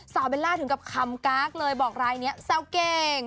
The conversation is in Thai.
เบลล่าถึงกับคำกากเลยบอกรายนี้แซวเก่ง